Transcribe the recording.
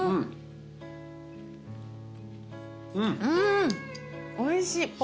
うんおいしい。